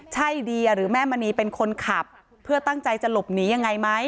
ใช่เดียหรือแม่มณีเป็นคนขับเพื่อตั้งใจจะหลบหนียังไงไหม